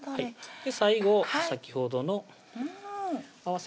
最後先ほどの合わせ